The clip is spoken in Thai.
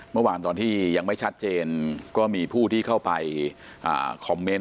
เมื่อวานตอนที่ยังไม่ชัดเจนก็มีผู้ที่เข้าไปคอมเมนต์